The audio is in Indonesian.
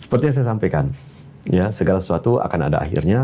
seperti yang saya sampaikan segala sesuatu akan ada akhirnya